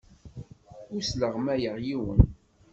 Ur sleɣmayeɣ yiwen.